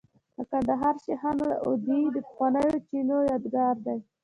د کندهار شیخانو وادي د پخوانیو چینو یادګار دی